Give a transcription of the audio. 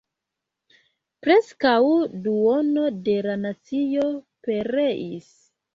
Preskaŭ duono de la nacio pereis.